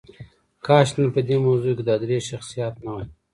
کاش نن په دې موضوع کې دا درې شخصیات نه وای.